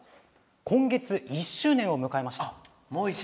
今月、１周年を迎えました。